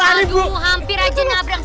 aduh hampir aja nabrak